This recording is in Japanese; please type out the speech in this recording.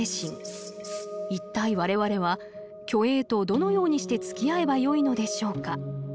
一体我々は虚栄とどのようにしてつきあえばよいのでしょうか。